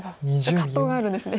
葛藤があるんですね。